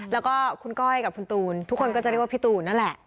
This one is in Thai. แล้วก็คุณก้อยกับคุณตูนทุกคนก็จะเรียกว่าพี่ตูนนั่นแหละ